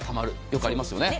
よくありますよね。